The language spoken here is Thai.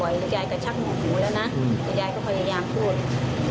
ยายกระชักหนูแล้วนะแต่ยายก็พยายามพูด